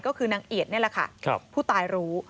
ก็คือนางเอียดนี่แหละค่ะผู้ตายรู้